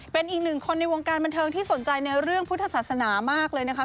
เป็นอีกหนึ่งคนในวงการบันเทิงที่สนใจในเรื่องพุทธศาสนามากเลยนะคะ